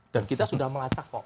dan kita sudah melacak pak